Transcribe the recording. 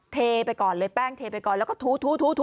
เทไปก่อนเลยแป้งเทไปก่อนแล้วก็ถู